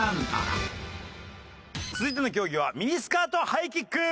続いての競技はミニスカートハイキック！